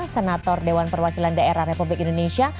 senator dewan perwakilan daerah republik indonesia